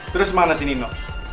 terus mana si nino